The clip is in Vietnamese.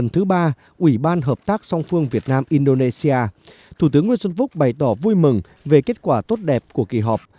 lần thứ ba ủy ban hợp tác song phương việt nam indonesia thủ tướng nguyễn xuân phúc bày tỏ vui mừng về kết quả tốt đẹp của kỳ họp